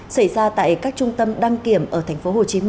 xảy ra tại các trung tâm đăng kiểm ở tp hcm